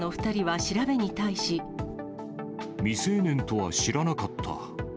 未成年とは知らなかった。